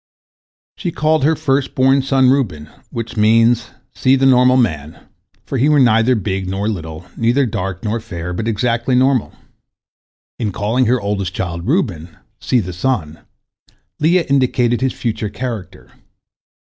She called her first born son Reuben, which means "See the normal man," for he was neither big nor little, neither dark nor fair, but exactly normal. In calling her oldest child Reuben, "See the son," Leah indicated his future character.